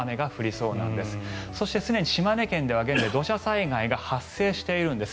そして、すでに島根県では土砂災害が発生しているんです。